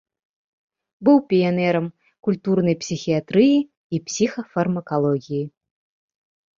Быў піянерам культурнай псіхіятрыі і псіхафармакалогіі.